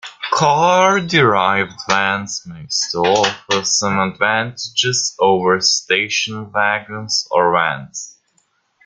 Car-derived vans may still offer some advantages over station wagons or vans.